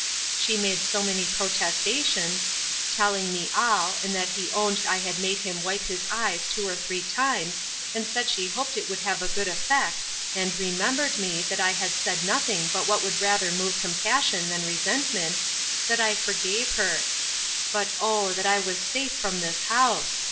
She made so many protestations, (telling me all, and that he owned I had made him wipe his eyes two or three times, and said she hoped it would have a good effect, and remembered me, that I had said nothing but what would rather move compassion than resentment,) that I forgave her. But O! that I was safe from this house!